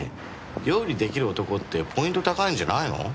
料理できる男ってポイント高いんじゃないの？